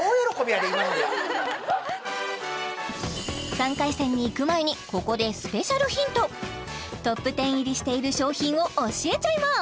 ３回戦にいく前にここでスペシャルヒントトップ１０入りしている商品を教えちゃいます